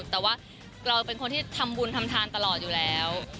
แต่ว่าเราเป็นคนที่ทำบุญทำทานตลอดอยู่แล้ว